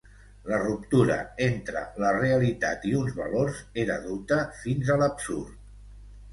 La ruptura entre la realitat i uns valors era duta fins a l'absurd.